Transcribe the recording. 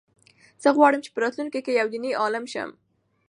زه غواړم چې په راتلونکي کې یو دیني عالم شم.